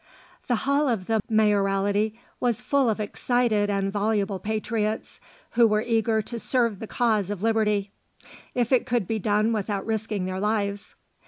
The hall of the Mayoralty was full of excited and voluble patriots who were eager to serve the cause of Liberty, if it could be done without risking their lives.